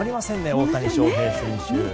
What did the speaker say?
大谷翔平選手。